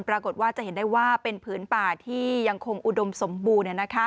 ปรากฏว่าจะเห็นได้ว่าเป็นผืนป่าที่ยังคงอุดมสมบูรณ์